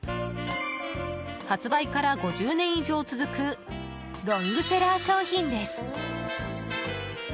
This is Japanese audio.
発売から５０年以上続くロングセラー商品です。